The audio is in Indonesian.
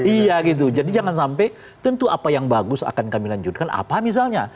iya gitu jadi jangan sampai tentu apa yang bagus akan kami lanjutkan apa misalnya